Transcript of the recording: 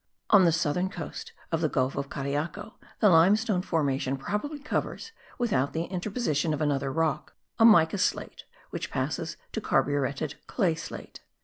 On the southern coast of the gulf of Cariaco the limestone formation probably covers, without the interposition of another rock, a mica slate which passes to carburetted clay slate.